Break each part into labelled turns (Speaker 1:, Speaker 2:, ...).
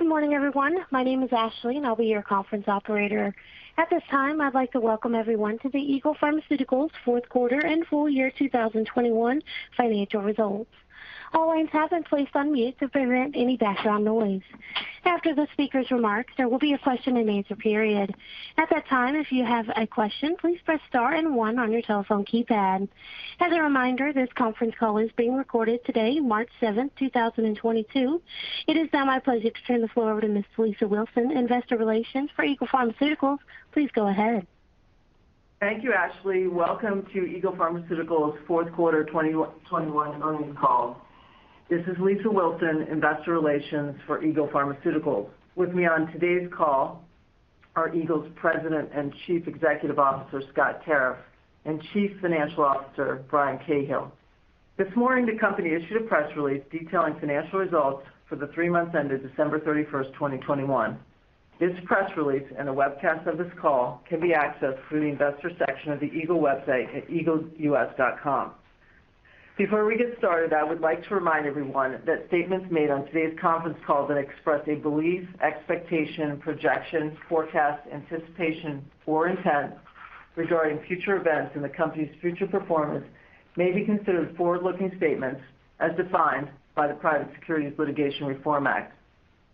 Speaker 1: Good morning, everyone. My name is Ashley, and I'll be your conference operator. At this time, I'd like to Welcome Everyone to the Eagle Pharmaceuticals Fourth Quarter and Full Year 2021 Financial Results. All lines have been placed on mute to prevent any background noise. After the speaker's remarks, there will be a question-and-answer period. At that time, if you have a question, please press star and one on your telephone keypad. As a reminder, this conference call is being recorded today, March 7, 2022. It is now my pleasure to turn the floor over to Ms. Lisa Wilson, Investor Relations for Eagle Pharmaceuticals. Please go ahead.
Speaker 2: Thank you, Ashley. Welcome to Eagle Pharmaceuticals' Fourth Quarter 2021 Earnings Call. This is Lisa Wilson, Investor Relations for Eagle Pharmaceuticals. With me on today's call are Eagle's President and Chief Executive Officer, Scott Tarriff, and Chief Financial Officer, Brian Cahill. This morning, the company issued a press release detailing financial results for the three months ended December 31, 2021. This press release and a webcast of this call can be accessed through the investor section of the Eagle website at eagleus.com. Before we get started, I would like to remind everyone that statements made on today's conference call that express a belief, expectation, projection, forecast, anticipation, or intent regarding future events and the company's future performance may be considered forward-looking statements as defined by the Private Securities Litigation Reform Act.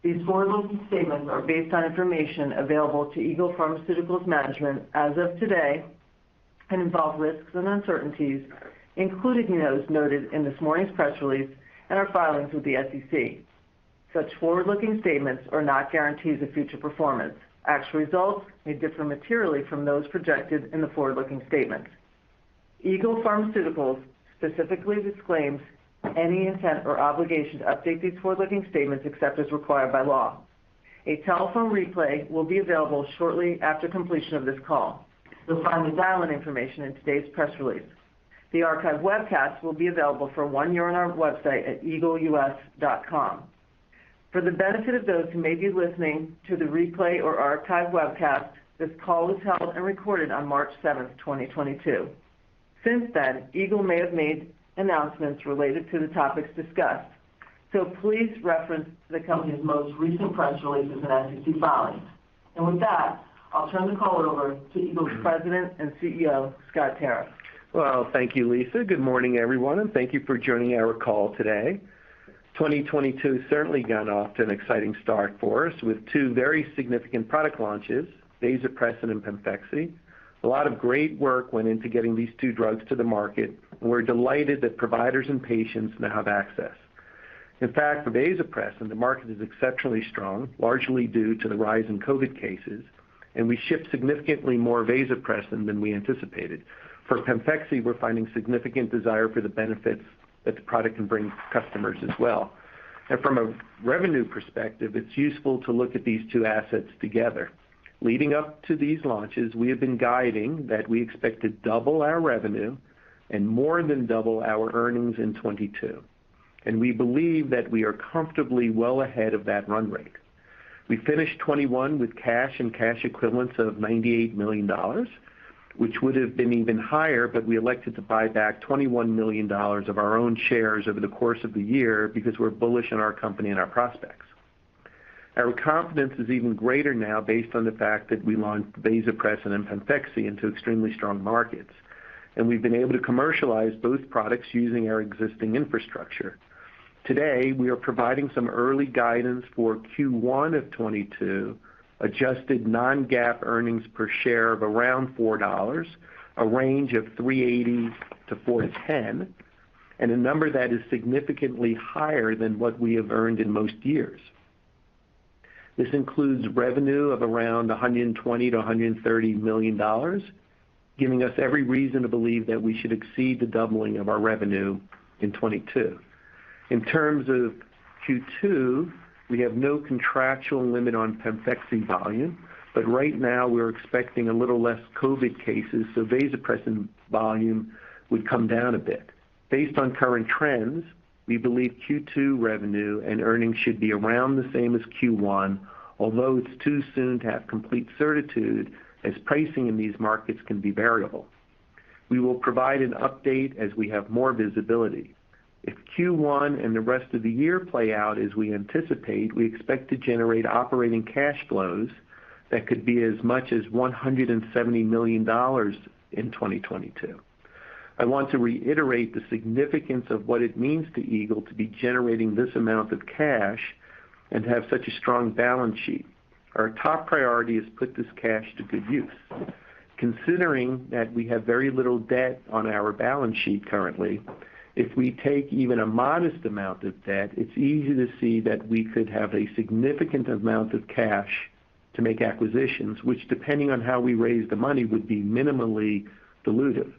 Speaker 2: These forward-looking statements are based on information available to Eagle Pharmaceuticals management as of today and involve risks and uncertainties, including those noted in this morning's press release and our filings with the SEC. Such forward-looking statements are not guarantees of future performance. Actual results may differ materially from those projected in the forward-looking statements. Eagle Pharmaceuticals specifically disclaims any intent or obligation to update these forward-looking statements except as required by law. A telephone replay will be available shortly after completion of this call. You'll find the dial-in information in today's press release. The archive webcast will be available for one year on our website at eagleus.com. For the benefit of those who may be listening to the replay or archive webcast, this call was held and recorded on March 7, 2022. Since then, Eagle may have made announcements related to the topics discussed, so please reference the company's most recent press releases and SEC filings. With that, I'll turn the call over to Eagle's President and Chief Executive Officer, Scott Tarriff.
Speaker 3: Well, thank you, Lisa. Good morning, everyone, and thank you for joining our call today. 2022 certainly got off to an exciting start for us with two very significant product launches, vasopressin and PEMFEXY. A lot of great work went into getting these two drugs to the market. We're delighted that providers and patients now have access. In fact, for vasopressin, the market is exceptionally strong, largely due to the rise in COVID cases, and we ship significantly more vasopressin than we anticipated. For PEMFEXY, we're finding significant desire for the benefits that the product can bring customers as well. From a revenue perspective, it's useful to look at these two assets together. Leading up to these launches, we have been guiding that we expect to double our revenue and more than double our earnings in 2022, and we believe that we are comfortably well ahead of that run rate. We finished 2021 with cash and cash equivalents of $98 million, which would have been even higher, but we elected to buy back $21 million of our own shares over the course of the year because we're bullish on our company and our prospects. Our confidence is even greater now based on the fact that we launched vasopressin and PEMFEXY into extremely strong markets, and we've been able to commercialize both products using our existing infrastructure. Today, we are providing some early guidance for Q1 of 2022, adjusted non-GAAP EPS of around $4, a range of $3.80-$4.10, and a number that is significantly higher than what we have earned in most years. This includes revenue of around $120 million-$130 million, giving us every reason to believe that we should exceed the doubling of our revenue in 2022. In terms of Q2, we have no contractual limit on PEMFEXY volume, but right now we're expecting a little less COVID cases, so vasopressin volume would come down a bit. Based on current trends, we believe Q2 revenue and earnings should be around the same as Q1, although it's too soon to have complete certitude as pricing in these markets can be variable. We will provide an update as we have more visibility. If Q1 and the rest of the year play out as we anticipate, we expect to generate operating cash flows that could be as much as $170 million in 2022. I want to reiterate the significance of what it means to Eagle to be generating this amount of cash and have such a strong balance sheet. Our top priority is to put this cash to good use. Considering that we have very little debt on our balance sheet currently, if we take even a modest amount of debt, it's easy to see that we could have a significant amount of cash to make acquisitions, which depending on how we raise the money, would be minimally dilutive.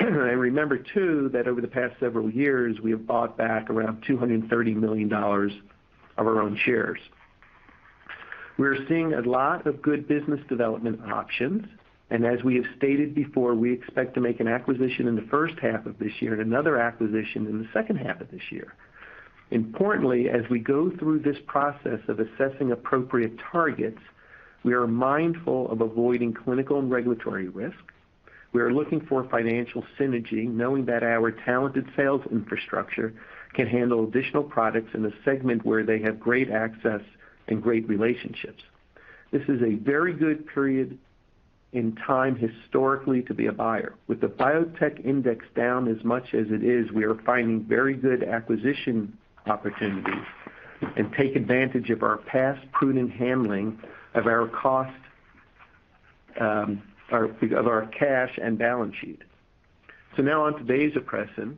Speaker 3: Remember too that over the past several years, we have bought back around $230 million of our own shares. We're seeing a lot of good business development options, and as we have stated before, we expect to make an acquisition in the first half of this year and another acquisition in the second half of this year. Importantly, as we go through this process of assessing appropriate targets, we are mindful of avoiding clinical and regulatory risk. We are looking for financial synergy, knowing that our talented sales infrastructure can handle additional products in a segment where they have great access and great relationships. This is a very good period in time historically to be a buyer. With the biotech index down as much as it is, we are finding very good acquisition opportunities and take advantage of our past prudent handling of our cost, our cash and balance sheet. Now on to vasopressin.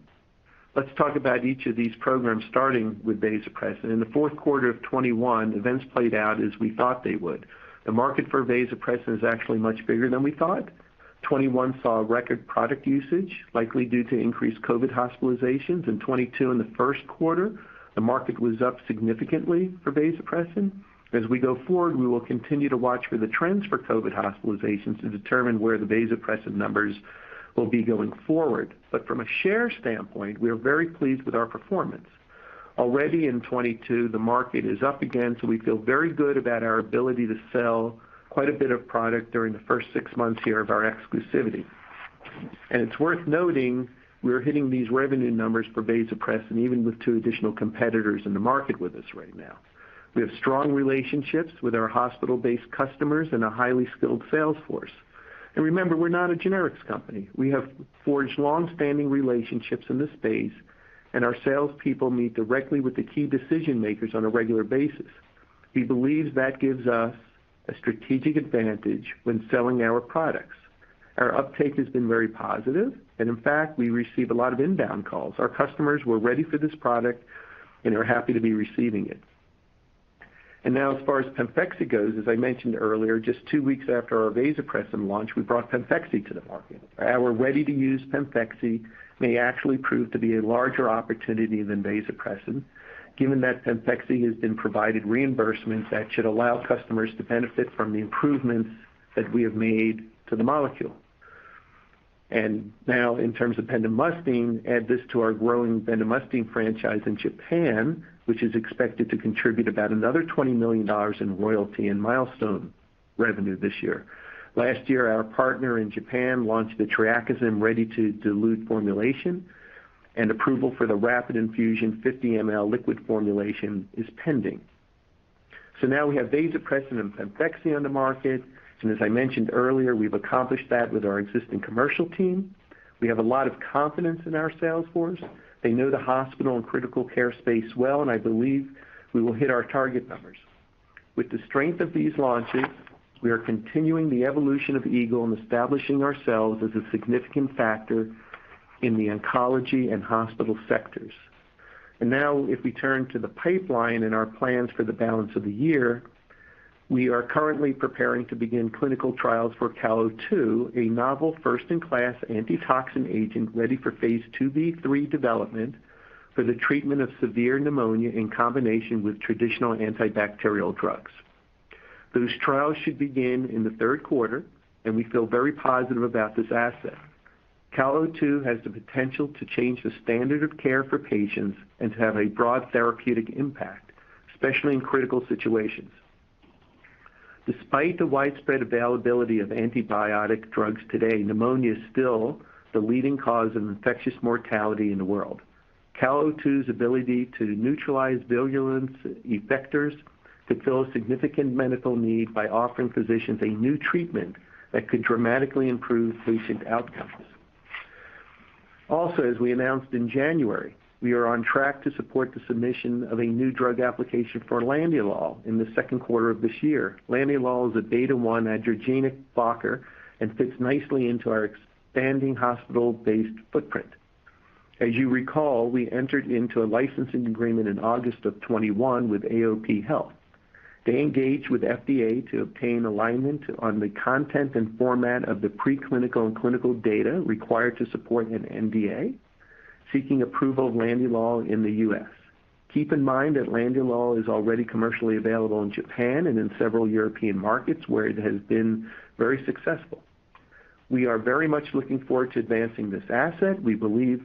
Speaker 3: Let's talk about each of these programs starting with vasopressin. In the fourth quarter of 2021, events played out as we thought they would. The market for vasopressin is actually much bigger than we thought. 2021 saw record product usage, likely due to increased COVID hospitalizations. In 2022, in the first quarter, the market was up significantly for vasopressin. As we go forward, we will continue to watch for the trends for COVID hospitalizations to determine where the vasopressin numbers will be going forward. From a share standpoint, we are very pleased with our performance. Already in 2022, the market is up again, so we feel very good about our ability to sell quite a bit of product during the first six months here of our exclusivity. It's worth noting we are hitting these revenue numbers for vasopressin even with two additional competitors in the market with us right now. We have strong relationships with our hospital-based customers and a highly skilled sales force. Remember, we're not a generics company. We have forged long-standing relationships in this space, and our salespeople meet directly with the key decision-makers on a regular basis. We believe that gives us a strategic advantage when selling our products. Our uptake has been very positive, and in fact, we receive a lot of inbound calls. Our customers were ready for this product and are happy to be receiving it. Now as far as PEMFEXY goes, as I mentioned earlier, just two weeks after our vasopressin launch, we brought PEMFEXY to the market. Our ready-to-use PEMFEXY may actually prove to be a larger opportunity than vasopressin, given that PEMFEXY has been provided reimbursements that should allow customers to benefit from the improvements that we have made to the molecule. Now in terms of bendamustine, add this to our growing bendamustine franchise in Japan, which is expected to contribute about another $20 million in royalty and milestone revenue this year. Last year, our partner in Japan launched the TREAKISYM® ready-to-dilute formulation, and approval for the rapid infusion 50 mL liquid formulation is pending. Now we have vasopressin and PEMFEXY on the market. As I mentioned earlier, we've accomplished that with our existing commercial team. We have a lot of confidence in our sales force. They know the hospital and critical care space well, and I believe we will hit our target numbers. With the strength of these launches, we are continuing the evolution of Eagle and establishing ourselves as a significant factor in the oncology and hospital sectors. Now if we turn to the pipeline and our plans for the balance of the year, we are currently preparing to begin clinical trials for CAL02, a novel first-in-class antitoxin agent ready for phase II-B, phase III development for the treatment of severe pneumonia in combination with traditional antibacterial drugs. Those trials should begin in the third quarter, and we feel very positive about this asset. CAL02 has the potential to change the standard of care for patients and to have a broad therapeutic impact, especially in critical situations. Despite the widespread availability of antibiotic drugs today, pneumonia is still the leading cause of infectious mortality in the world. CAL02's ability to neutralize virulence effectors could fill a significant medical need by offering physicians a new treatment that could dramatically improve patient outcomes. Also, as we announced in January, we are on track to support the submission of a new drug application for landiolol in the second quarter of this year. landiolol is a beta-1 adrenergic blocker and fits nicely into our expanding hospital-based footprint. As you recall, we entered into a licensing agreement in August of 2021 with AOP Health. They engage with FDA to obtain alignment on the content and format of the preclinical and clinical data required to support an NDA, seeking approval of landiolol in the U.S. Keep in mind that landiolol is already commercially available in Japan and in several European markets where it has been very successful. We are very much looking forward to advancing this asset. We believe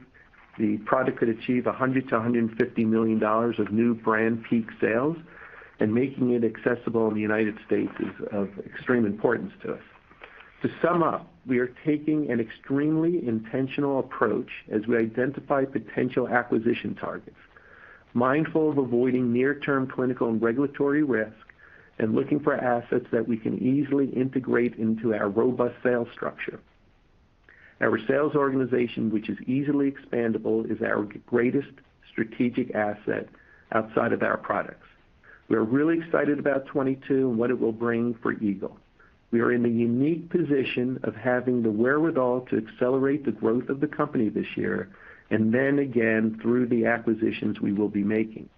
Speaker 3: the product could achieve $100 million-$150 million of new brand peak sales, and making it accessible in the United States is of extreme importance to us. To sum up, we are taking an extremely intentional approach as we identify potential acquisition targets, mindful of avoiding near-term clinical and regulatory risk, and looking for assets that we can easily integrate into our robust sales structure. Our sales organization, which is easily expandable, is our greatest strategic asset outside of our products. We are really excited about 2022 and what it will bring for Eagle. We are in the unique position of having the wherewithal to accelerate the growth of the company this year and then again through the acquisitions we will be making.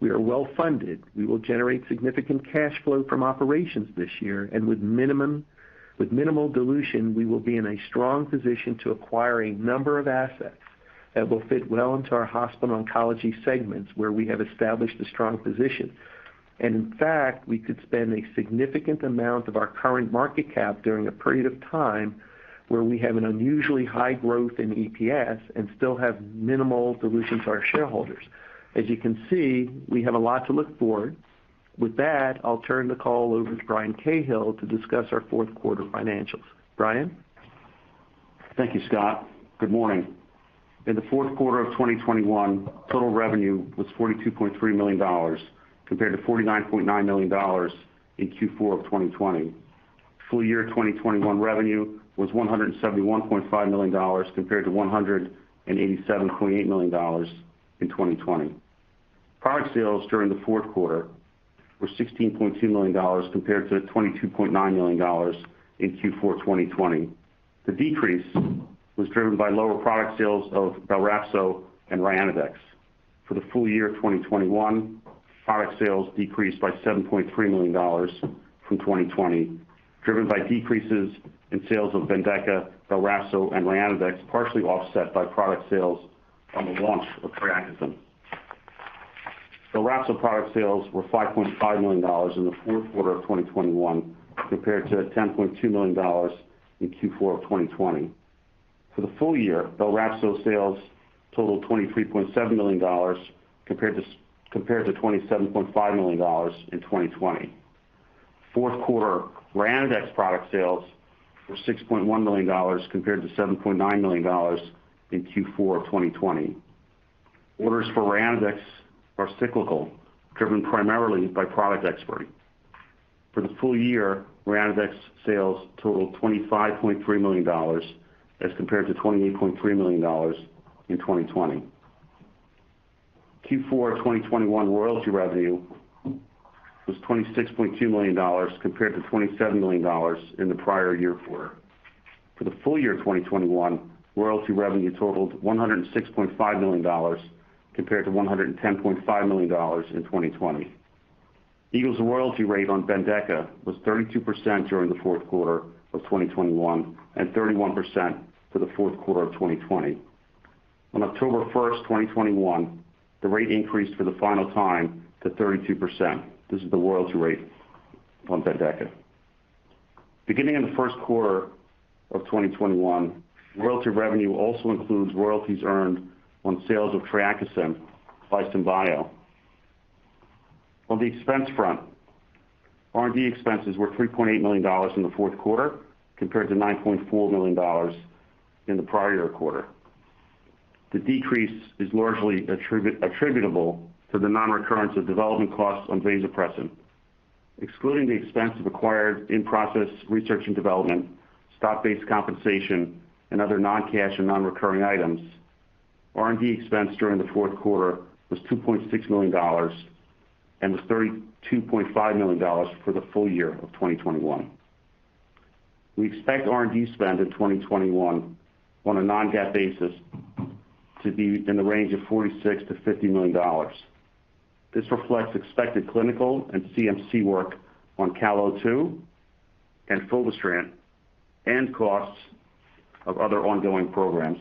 Speaker 3: We are well-funded. We will generate significant cash flow from operations this year, and with minimal dilution, we will be in a strong position to acquire a number of assets that will fit well into our hospital oncology segments where we have established a strong position. In fact, we could spend a significant amount of our current market cap during a period of time where we have an unusually high growth in EPS and still have minimal dilution to our shareholders. As you can see, we have a lot to look forward to. With that, I'll turn the call over to Brian Cahill to discuss our fourth quarter financials. Brian?
Speaker 4: Thank you, Scott. Good morning. In the fourth quarter of 2021, total revenue was $42.3 million compared to $49.9 million in Q4 of 2020. Full-year 2021 revenue was $171.5 million compared to $187.8 million in 2020. Product sales during the fourth quarter were $16.2 million compared to $22.9 million in Q4 2020. The decrease was driven by lower product sales of BELRAPZO and RYANODEX. For the full year of 2021, product sales decreased by $7.3 million from 2020, driven by decreases in sales of BENDEKA, BELRAPZO, and RYANODEX, partially offset by product sales on the launch of PEMFEXY. BELRAPZO product sales were $5.5 million in the fourth quarter of 2021 compared to $10.2 million in Q4 of 2020. For the full year, BELRAPZO sales totaled $23.7 million compared to $27.5 million in 2020. Fourth quarter RYANODEX product sales were $6.1 million compared to $7.9 million in Q4 of 2020. Orders for RYANODEX are cyclical, driven primarily by product expiry. For the full year, RYANODEX sales totaled $25.3 million as compared to $28.3 million in 2020. Q4 of 2021 royalty revenue was $26.2 million compared to $27 million in the prior year quarter. For the full year of 2021, royalty revenue totaled $106.5 million compared to $110.5 million in 2020. Eagle's royalty rate on BENDEKA was 32% during the fourth quarter of 2021 and 31% for the fourth quarter of 2020. On October 1, 2021, the rate increased for the final time to 32%. This is the royalty rate on BENDEKA. Beginning in the first quarter of 2021, royalty revenue also includes royalties earned on sales of TREAKISYM® by SymBio. On the expense front, R&D expenses were $3.8 million in the fourth quarter compared to $9.4 million in the prior year quarter. The decrease is largely attributable to the non-recurrence of development costs on vasopressin. Excluding the expense of acquired in-process research and development, stock-based compensation, and other non-cash and non-recurring items, R&D expense during the fourth quarter was $2.6 million and was $32.5 million for the full year of 2021. We expect R&D spend in 2021 on a non-GAAP basis to be in the range of $46 million-$50 million. This reflects expected clinical and CMC work on CAL02 and fulvestrant and costs of other ongoing programs.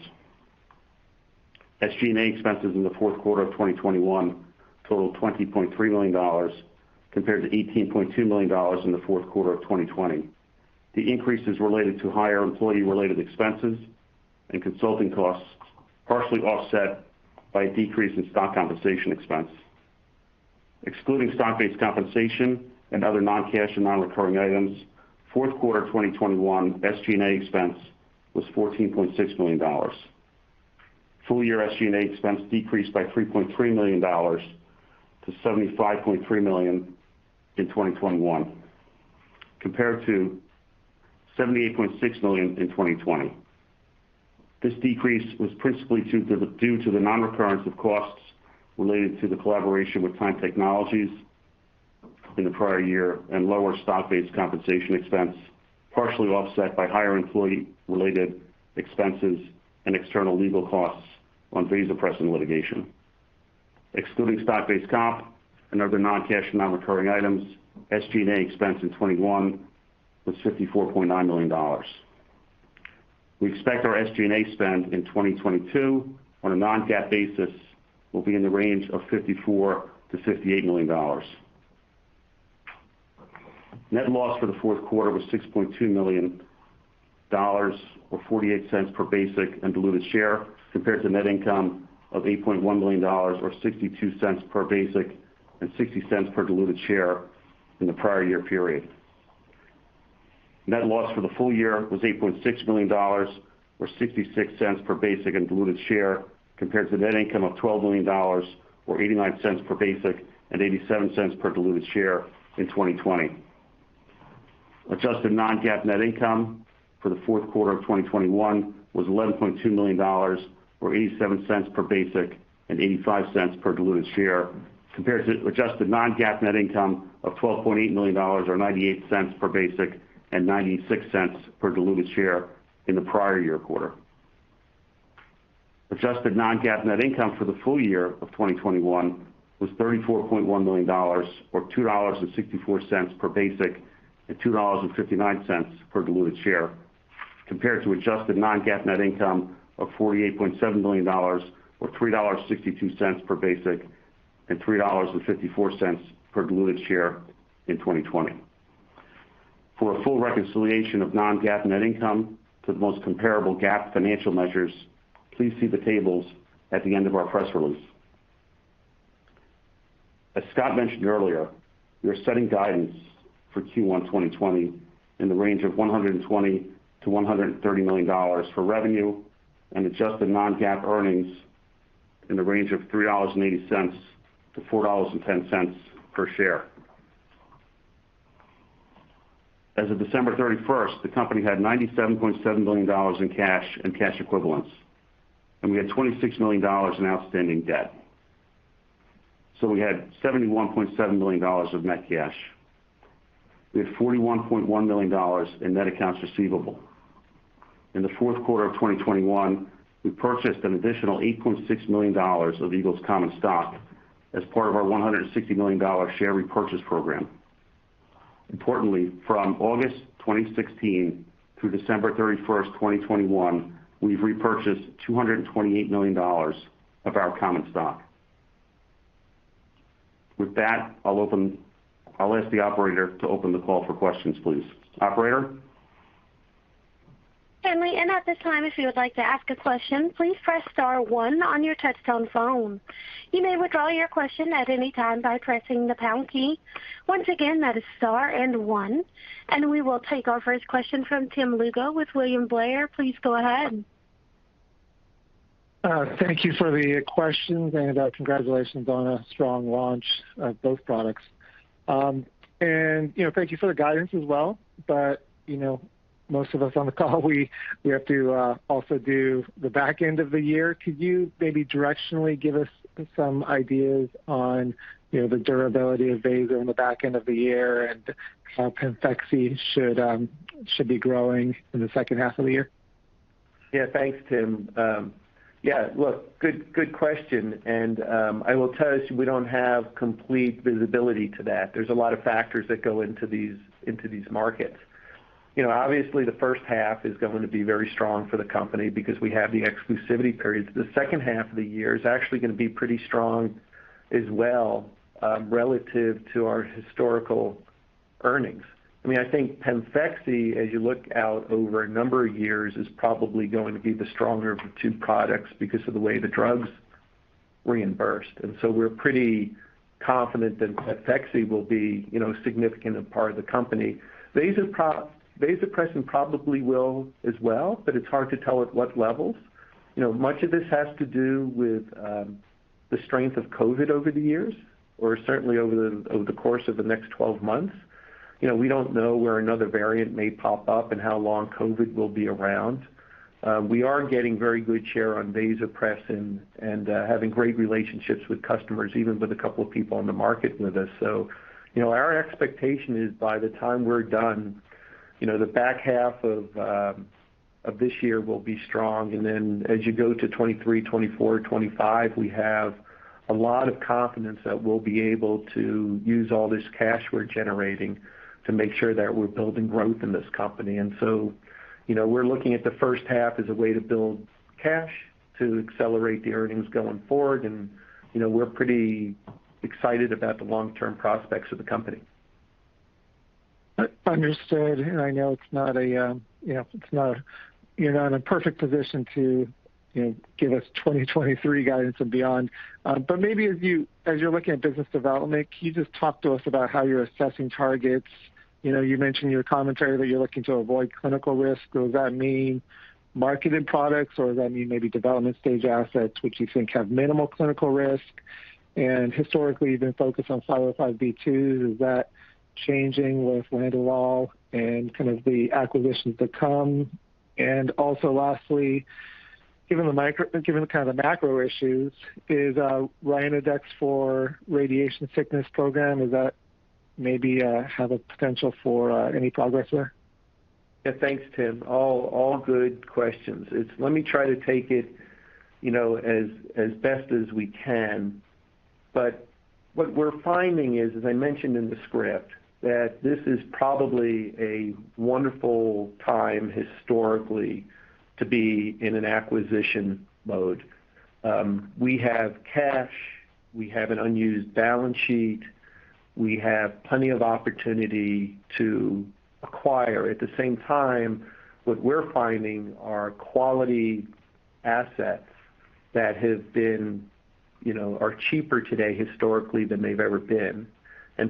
Speaker 4: SG&A expenses in the fourth quarter of 2021 totaled $20.3 million compared to $18.2 million in the fourth quarter of 2020. The increase is related to higher employee-related expenses and consulting costs, partially offset by a decrease in stock compensation expense. Excluding stock-based compensation and other non-cash and non-recurring items, fourth quarter of 2021 SG&A expense was $14.6 million. Full year SG&A expense decreased by $3.3 million-$75.3 million in 2021, compared to $78.6 million in 2020. This decrease was principally due to the non-recurrence of costs related to the collaboration with Tyme Technologies in the prior year and lower stock-based compensation expense, partially offset by higher employee-related expenses and external legal costs on vasopressin litigation. Excluding stock-based comp and other non-cash and non-recurring items, SG&A expense in 2021 was $54.9 million. We expect our SG&A spend in 2022 on a non-GAAP basis will be in the range of $54 million-$58 million. Net loss for the fourth quarter was $6.2 million or $0.48 per basic and diluted share, compared to net income of $8.1 million or $0.62 per basic and $0.60 per diluted share in the prior year period. Net loss for the full year was $8.6 million or $0.66 per basic and diluted share, compared to net income of $12 million or $0.89 per basic and $0.87 per diluted share in 2020. Adjusted non-GAAP net income for the fourth quarter of 2021 was $11.2 million or $0.87 per basic and $0.85 per diluted share, compared to adjusted non-GAAP net income of $12.8 million or $0.98 per basic and $0.96 per diluted share in the prior year quarter. Adjusted non-GAAP net income for the full year of 2021 was $34.1 million or $2.64 per basic and $2.59 per diluted share, compared to adjusted non-GAAP net income of $48.7 million or $3.62 per basic and $3.54 per diluted share in 2020. For a full reconciliation of non-GAAP net income to the most comparable GAAP financial measures, please see the tables at the end of our press release. As Scott mentioned earlier, we are setting guidance for Q1 2020 in the range of $120 million-$130 million for revenue and adjusted non-GAAP earnings in the range of $3.80-$4.10 per share. As of December 31, the company had $97.7 million in cash and cash equivalents, and we had $26 million in outstanding debt. We had $71.7 million of net cash. We had $41.1 million in net accounts receivable. In the fourth quarter of 2021, we purchased an additional $8.6 million of Eagle's common stock as part of our $160 million share repurchase program. Importantly, from August 2016 through December 31, 2021, we've repurchased $228 million of our common stock. With that, I'll ask the operator to open the call for questions, please. Operator?
Speaker 1: Certainly. At this time, if you would like to ask a question, please press star one on your touchtone phone. You may withdraw your question at any time by pressing the pound key. Once again, that is star and one. We will take our first question from Tim Lugo with William Blair. Please go ahead.
Speaker 5: Thank you, for the questions, and congratulations on a strong launch of both products. You know, thank you for the guidance as well. You know, most of us on the call, we have to also do the back end of the year. Could you maybe directionally give us some ideas on, you know, the durability of vasopressin on the back end of the year and how PEMFEXY should be growing in the second half of the year?
Speaker 3: Yeah, thanks, Tim. Yeah, look, good question. I will tell you, we don't have complete visibility to that. There's a lot of factors that go into these markets. You know, obviously the first half is going to be very strong for the company because we have the exclusivity periods. The second half of the year is actually gonna be pretty strong as well, relative to our historical earnings. I mean, I think PEMFEXY, as you look out over a number of years, is probably going to be the stronger of the two products because of the way the drug's reimbursed. We're pretty confident that PEMFEXY will be, you know, a significant part of the company, vasopressin probably will as well, but it's hard to tell at what levels. You know, much of this has to do with the strength of COVID over the years, or certainly over the course of the next 12 months. You know, we don't know where another variant may pop up and how long COVID will be around. We are getting very good share on vasopressin and having great relationships with customers, even with a couple of people on the market with us. You know, our expectation is by the time we're done, you know, the back half of this year will be strong. Then as you go to 2023, 2024, 2025, we have a lot of confidence that we'll be able to use all this cash we're generating to make sure that we're building growth in this company. you know, we're looking at the first half as a way to build cash to accelerate the earnings going forward. you know, we're pretty excited about the long-term prospects of the company.
Speaker 5: Understood. I know it's not a. You're not in a perfect position to, you know, give us 2023 guidance and beyond. But maybe as you, as you're looking at business development, can you just talk to us about how you're assessing targets? You know, you mentioned in your commentary that you're looking to avoid clinical risk. Does that mean marketed products or does that mean maybe development stage assets which you think have minimal clinical risk? Historically, you've been focused on 505(b)(2)s. Is that changing with landiolol and kind of the acquisitions to come? Also lastly, given the kind of the macro issues, is RYANODEX for radiation sickness program, does that maybe have a potential for any progress there?
Speaker 3: Yeah. Thanks, Tim. All good questions. It's. Let me try to take it, you know, as best as we can. But what we're finding is, as I mentioned in the script, that this is probably a wonderful time historically to be in an acquisition mode. We have cash, we have an unused balance sheet, we have plenty of opportunity to acquire. At the same time, what we're finding are quality assets that have been, you know, are cheaper today historically than they've ever been.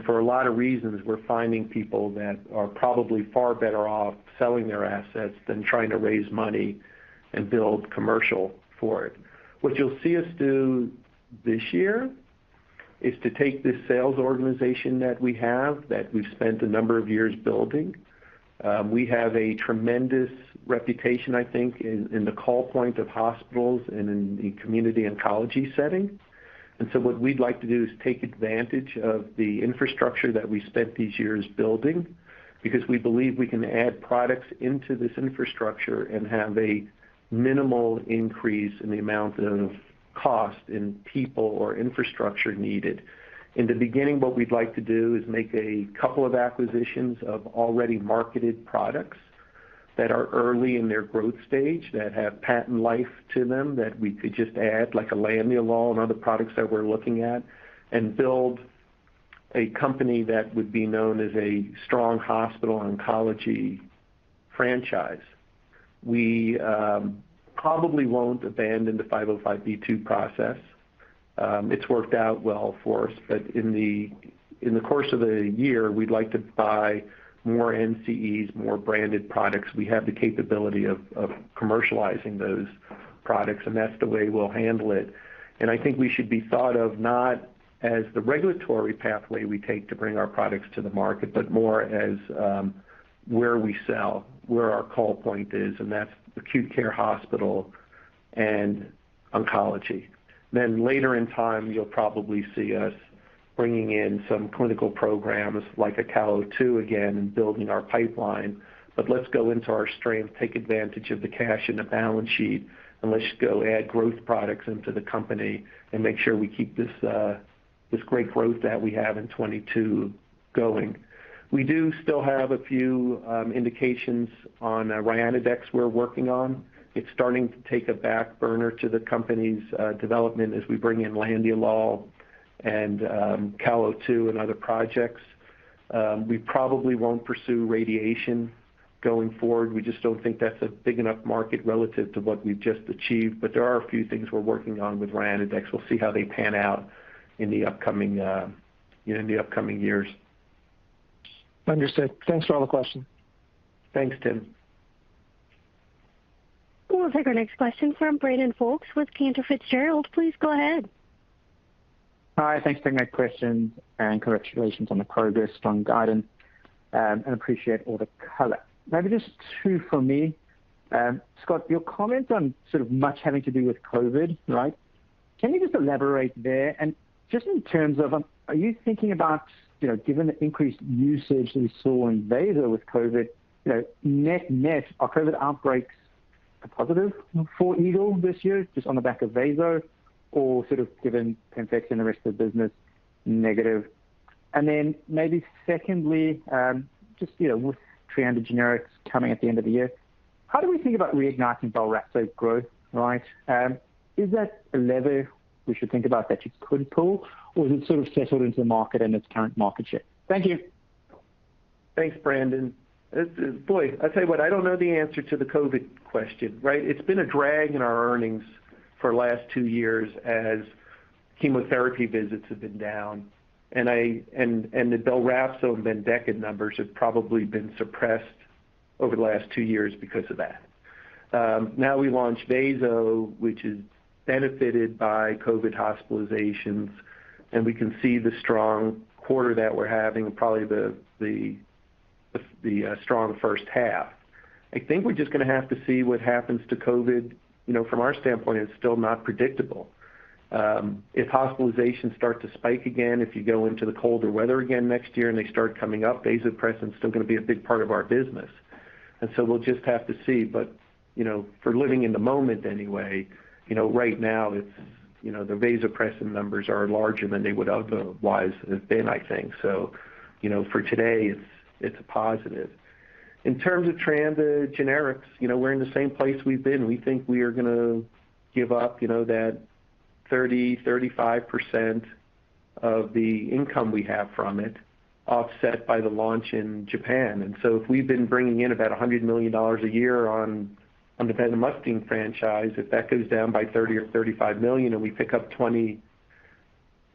Speaker 3: For a lot of reasons, we're finding people that are probably far better off selling their assets than trying to raise money and build commercial for it. What you'll see us do this year is to take this sales organization that we have, that we've spent a number of years building. We have a tremendous reputation, I think, in the call point of hospitals and in the community oncology setting. What we'd like to do is take advantage of the infrastructure that we spent these years building because we believe we can add products into this infrastructure and have a minimal increase in the amount of cost in people or infrastructure needed. In the beginning, what we'd like to do is make a couple of acquisitions of already marketed products that are early in their growth stage, that have patent life to them that we could just add, like landiolol and other products that we're looking at, and build a company that would be known as a strong hospital oncology franchise. We probably won't abandon the 505(b)(2) process. It's worked out well for us. In the course of a year, we'd like to buy more NCEs, more branded products. We have the capability of commercializing those products, and that's the way we'll handle it. I think we should be thought of not as the regulatory pathway we take to bring our products to the market, but more as where we sell, where our call point is, and that's acute care hospital and oncology. Later in time, you'll probably see us bringing in some clinical programs like CAL02 again and building our pipeline. Let's go into our strength, take advantage of the cash in the balance sheet, and let's go add growth products into the company and make sure we keep this great growth that we have in 2022 going. We do still have a few indications on RYANODEX we're working on. It's starting to take a back burner to the company's development as we bring in landiolol and CAL02 and other projects. We probably won't pursue radiation going forward. We just don't think that's a big enough market relative to what we've just achieved. There are a few things we're working on with RYANODEX. We'll see how they pan out in the upcoming years.
Speaker 5: Understood. Thanks for all the questions.
Speaker 3: Thanks, Tim.
Speaker 1: We'll take our next question from Brandon Folkes with Cantor Fitzgerald. Please go ahead.
Speaker 6: Hi. Thanks for taking my question and congratulations on the progress, strong guidance, and appreciate all the color. Maybe just two from me. Scott, your comment on so much having to do with COVID, right? Can you just elaborate there? And just in terms of, are you thinking about, you know, given the increased usage that we saw in vaso with COVID, you know, net net, are COVID outbreaks a positive for Eagle this year just on the back of vaso or sort of given PEMFEXY and the rest of the business negative? And then maybe secondly, just, you know, with Treanda generics coming at the end of the year, how do we think about reigniting BELRAPZO growth, right? Is that a lever we should think about that you could pull, or is it sort of settled into the market and its current market share? Thank you.
Speaker 3: Thanks, Brandon. Boy, I tell you what, I don't know the answer to the COVID question, right? It's been a drag in our earnings for the last two years as chemotherapy visits have been down. The BELRAPZO and BENDEKA numbers have probably been suppressed over the last two years because of that. Now we launched vaso, which has benefited by COVID hospitalizations, and we can see the strong quarter that we're having, probably the strong first half. I think we're just gonna have to see what happens to COVID. You know, from our standpoint, it's still not predictable. If hospitalizations start to spike again, if you go into the colder weather again next year and they start coming up, vasopressin is still gonna be a big part of our business. We'll just have to see. You know, for living in the moment anyway, you know, right now it's, you know, the vasopressin numbers are larger than they would otherwise have been, I think. You know, for today, it's a positive. In terms of Treanda Generics, you know, we're in the same place we've been. We think we are gonna give up, you know, that 30%-35% of the income we have from it, offset by the launch in Japan. If we've been bringing in about $100 million a year on the bendamustine franchise, if that goes down by $30 or $35 million and we pick up $20 million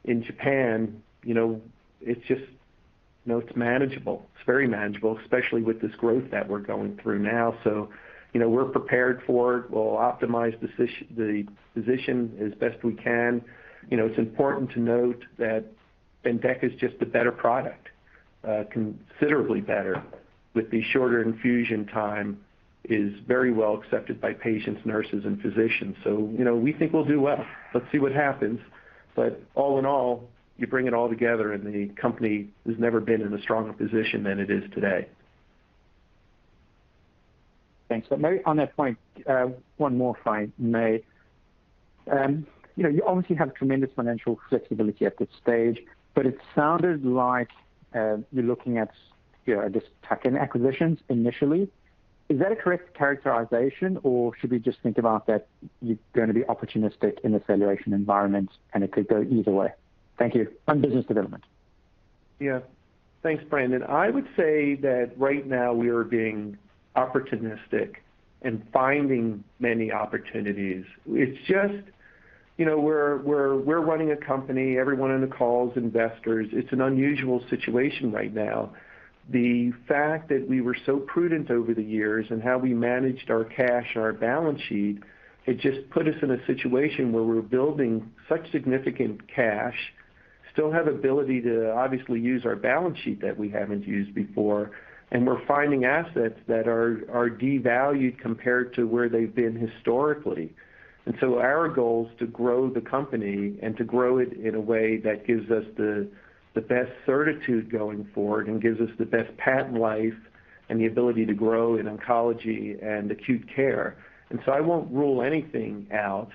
Speaker 3: in Japan, you know, it's just, you know, it's manageable. It's very manageable, especially with this growth that we're going through now. You know, we're prepared for it. We'll optimize the physician as best we can. You know, it's important to note that BENDEKA is just a better product, considerably better with the shorter infusion time. It is very well accepted by patients, nurses, and physicians. You know, we think we'll do well. Let's see what happens. All in all, you bring it all together, and the company has never been in a stronger position than it is today.
Speaker 6: Thanks. Maybe on that point, one more if I may. You know, you obviously have tremendous financial flexibility at this stage, but it sounded like you're looking at, you know, just tuck-in acquisitions initially. Is that a correct characterization, or should we just think about that you're gonna be opportunistic in the valuation environment, and it could go either way? Thank you. On business development.
Speaker 3: Yeah. Thanks, Brandon. I would say that right now we are being opportunistic and finding many opportunities. It's just, you know, we're running a company, everyone on the call is investors. It's an unusual situation right now. The fact that we were so prudent over the years and how we managed our cash and our balance sheet, it just put us in a situation where we're building such significant cash, still have ability to obviously use our balance sheet that we haven't used before, and we're finding assets that are devalued compared to where they've been historically. Our goal is to grow the company and to grow it in a way that gives us the best certitude going forward and gives us the best patent life and the ability to grow in oncology and acute care. I won't rule anything out.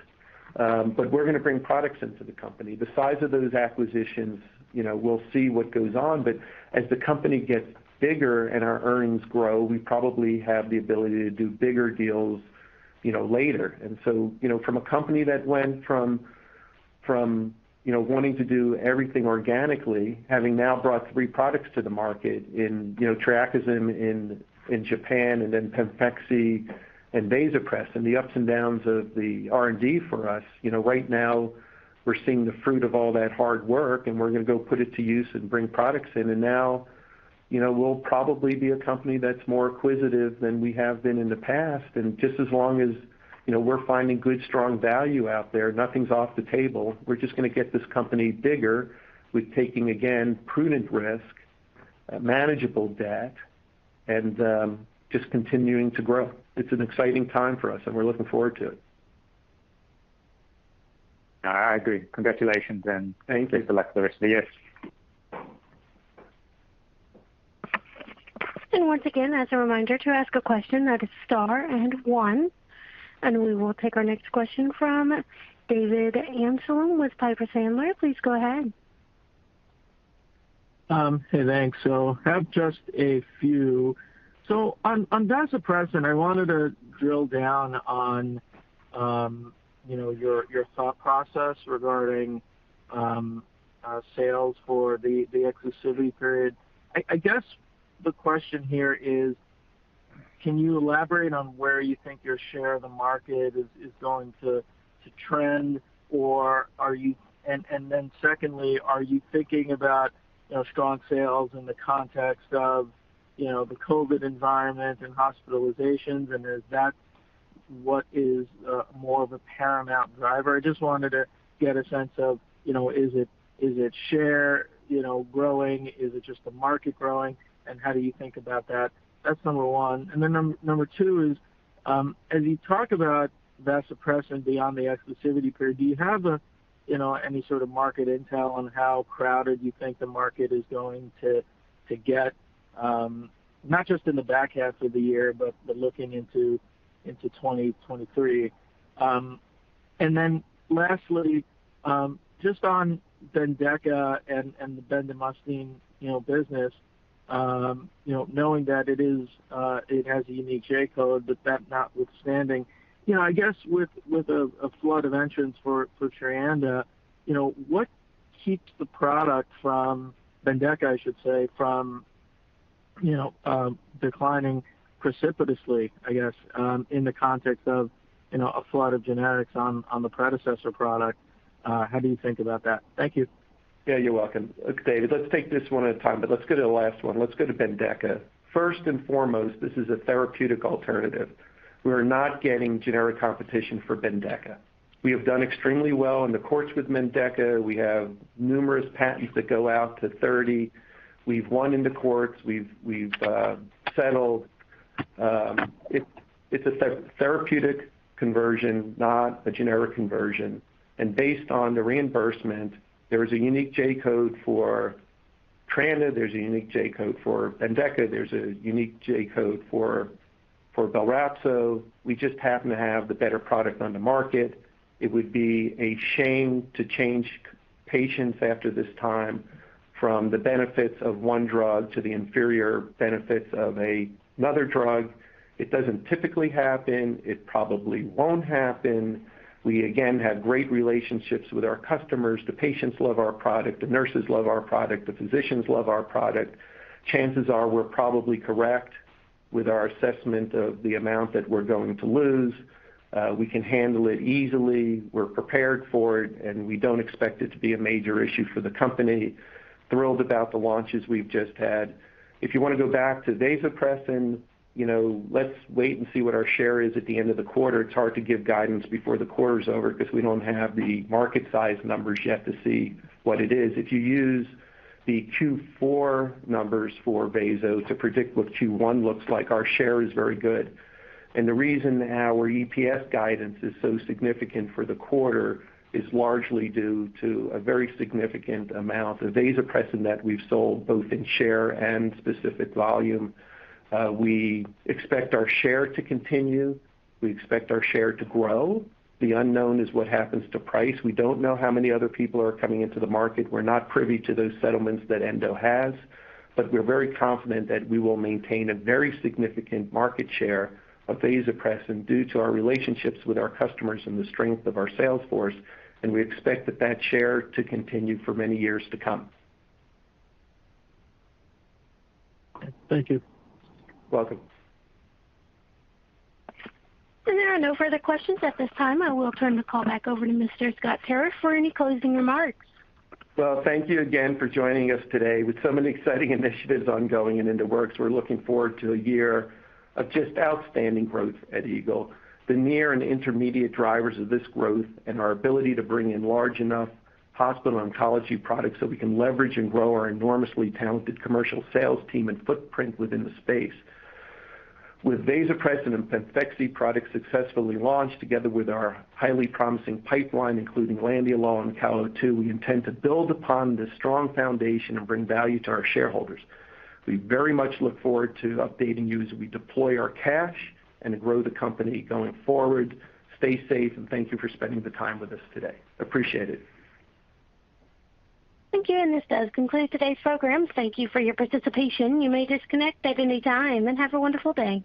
Speaker 3: We're gonna bring products into the company. The size of those acquisitions, you know, we'll see what goes on, but as the company gets bigger and our earnings grow, we probably have the ability to do bigger deals, you know, later. You know, from a company that went from, you know, wanting to do everything organically, having now brought three products to the market in, you know, TREAKISYM® in Japan and then PEMFEXY and vasopressin, the ups and downs of the R&D for us. You know, right now we're seeing the fruit of all that hard work, and we're gonna go put it to use and bring products in. You know, we'll probably be a company that's more acquisitive than we have been in the past. Just as long as, you know, we're finding good, strong value out there, nothing's off the table. We're just gonna get this company bigger with taking, again, prudent risk, manageable debt and, just continuing to grow. It's an exciting time for us, and we're looking forward to it.
Speaker 6: I agree. Congratulations.
Speaker 3: Thank you.
Speaker 6: Best of luck for the rest of the year.
Speaker 1: Once again, as a reminder, to ask a question, press star one, and we will take our next question from David Amsellem with Piper Sandler. Please go ahead.
Speaker 7: Hey, thanks. Have just a few. On vasopressin, I wanted to drill down on, you know, your thought process regarding sales for the exclusivity period. I guess the question here is, can you elaborate on where you think your share of the market is going to trend, or are you? Then secondly, are you thinking about, you know, strong sales in the context of, you know, the COVID environment and hospitalizations, and is that what is more of a paramount driver? I just wanted to get a sense of, you know, is it share growing? Is it just the market growing? How do you think about that? That's number one. Number two is, as you talk about vasopressin beyond the exclusivity period, do you have a, you know, any sort of market intel on how crowded you think the market is going to get, not just in the back half of the year, but looking into 2023. And then lastly, just on BENDEKA and the bendamustine business, you know, knowing that it has a unique J-code, but that notwithstanding. You know, I guess with a flood of entrants for Treanda, you know, what keeps the product from BENDEKA, I should say, from declining precipitously, I guess, in the context of a flood of generics on the predecessor product. How do you think about that? Thank you.
Speaker 3: Yeah, you're welcome. Look, David, let's take this one at a time, but let's go to the last one. Let's go to BENDEKA. First and foremost, this is a therapeutic alternative. We're not getting generic competition for BENDEKA. We have done extremely well in the courts with BENDEKA. We have numerous patents that go out to 2030. We've won in the courts. We've settled. It's a therapeutic conversion, not a generic conversion. Based on the reimbursement, there is a unique J-code for TREANDA. There's a unique J-code for BENDEKA. There's a unique J-code for BELRAPZO. We just happen to have the better product on the market. It would be a shame to change patients after this time from the benefits of one drug to the inferior benefits of another drug. It doesn't typically happen. It probably won't happen. We again have great relationships with our customers. The patients love our product. The nurses love our product. The physicians love our product. Chances are we're probably correct with our assessment of the amount that we're going to lose. We can handle it easily. We're prepared for it, and we don't expect it to be a major issue for the company. Thrilled about the launches we've just had. If you wanna go back to vasopressin, you know, let's wait and see what our share is at the end of the quarter. It's hard to give guidance before the quarter's over because we don't have the market size numbers yet to see what it is. If you use the Q4 numbers for vaso to predict what Q1 looks like, our share is very good. The reason our EPS guidance is so significant for the quarter is largely due to a very significant amount of vasopressin that we've sold, both in share and specific volume. We expect our share to continue. We expect our share to grow. The unknown is what happens to price. We don't know how many other people are coming into the market. We're not privy to those settlements that Endo has, but we're very confident that we will maintain a very significant market share of vasopressin due to our relationships with our customers and the strength of our sales force, and we expect that share to continue for many years to come.
Speaker 7: Thank you.
Speaker 3: You're welcome.
Speaker 1: There are no further questions at this time. I will turn the call back over to Mr. Scott Tarriff for any closing remarks.
Speaker 3: Well, thank you again for joining us today. With so many exciting initiatives ongoing and in the works, we're looking forward to a year of just outstanding growth at Eagle. The near and intermediate drivers of this growth and our ability to bring in large enough hospital oncology products so we can leverage and grow our enormously talented commercial sales team and footprint within the space. With vasopressin and PEMFEXY products successfully launched, together with our highly promising pipeline, including landiolol and CAL02, we intend to build upon this strong foundation and bring value to our shareholders. We very much look forward to updating you as we deploy our cash and grow the company going forward. Stay safe, and thank you for spending the time with us today. Appreciate it.
Speaker 1: Thank you, and this does conclude today's program. Thank you for your participation. You may disconnect at any time, and have a wonderful day.